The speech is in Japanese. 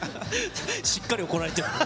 しっかり怒られてる。